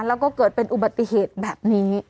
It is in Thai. แล้วก็เกิดเป็นอุบัติเหตุแบบนี้